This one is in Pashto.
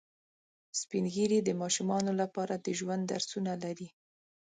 سپین ږیری د ماشومانو لپاره د ژوند درسونه لري